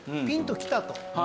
ピンときたと。